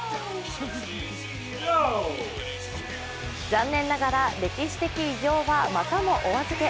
残念ながら歴史的偉業はまたもお預け。